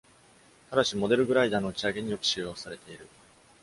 ただし、モデルグライダーの打ち上げによく使用されている。